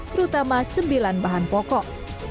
terutama sembilan bahan pokok